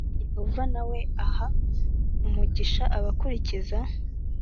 Yehova na we aha umugisha abakurikiza